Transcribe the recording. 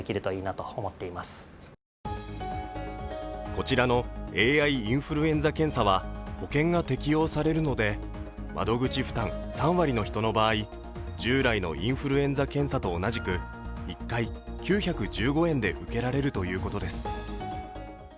こちらのＡＩインフルエンザ検査は保険が適用されるので窓口負担３割の人の場合、従来のインフルエンザ検査と同じく１回９１５円で受けられるということです。